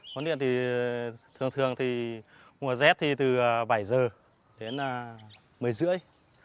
huấn luyện thì thường thường thì mùa rét thì từ bảy giờ đến một mươi rưỡi